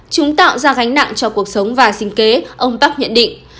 chúng tạo ra gánh nặng cho cuộc sống và sinh kế ông park nhận định